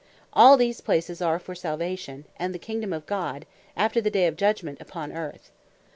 All these places are for Salvation, and the Kingdome of God (after the day of Judgement) upon Earth.